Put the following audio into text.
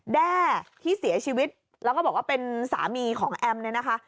แด้ที่เสียชีวิตแล้วก็บอกว่าเป็นสามีของแอมเนี่ยนะคะ